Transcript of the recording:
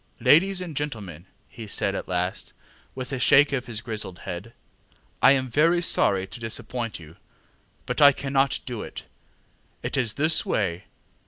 ŌĆ£Ladies and gentlemen, ŌĆØ he said at last, with a shake of his grizzled head, ŌĆ£I am very sorry to disappoint you, but I cannot do it. It is this way.